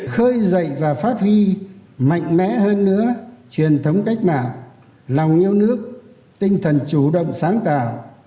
khơi dậy và phát huy mạnh mẽ hơn nữa truyền thống cách mạng lòng yêu nước tinh thần chủ động sáng tạo